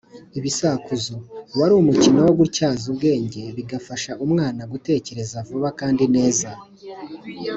Ibisakuzo: wari umukino wo gutyaza ubwenge bigafasha umwana gutekereza vuba kandi neza.